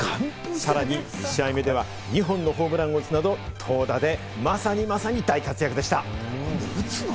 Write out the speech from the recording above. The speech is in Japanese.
さらに２試合目では２本のホームランを打つなど、投打でまさにまさに大活躍でした！